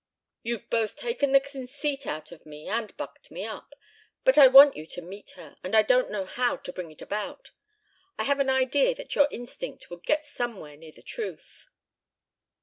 "You've both taken the conceit out of me and bucked me up. ... But I want you to meet her, and I don't know how to bring it about. I have an idea that your instinct would get somewhere near the truth."